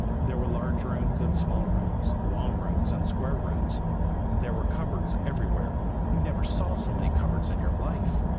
There were large rooms and small rooms, long rooms and square rooms; there were cupboards everywhere, you never saw so many cupboards in your life.